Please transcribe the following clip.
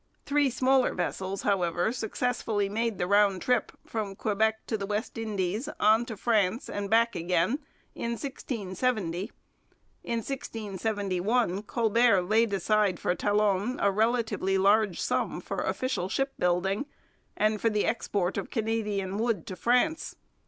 Three smaller vessels, however, successfully made the round trip from Quebec to the West Indies, on to France, and back again, in 1670. In 1671 Colbert laid aside for Talon a relatively large sum for official shipbuilding and for the export of Canadian wood to France.